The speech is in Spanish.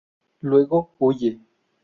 Luego, huye.